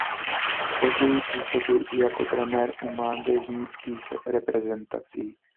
Později působil i jako trenér u mládežnických reprezentací.